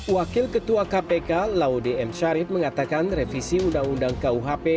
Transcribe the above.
wakil ketua kpk laude m syarif mengatakan revisi undang undang kuhp